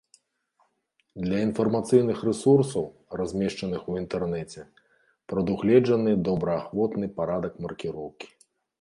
Для інфармацыйных рэсурсаў, размешчаных у інтэрнэце, прадугледжаны добраахвотны парадак маркіроўкі.